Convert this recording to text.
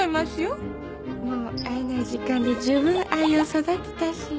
もう会えない時間で十分愛を育てたし。